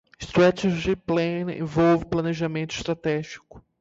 Strategic Planning envolve planejamento estratégico.